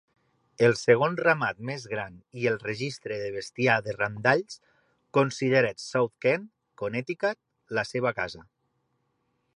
El segon ramat més gran i el registre de bestiar de randalls consideren South Kent, Connecticut, la seva casa.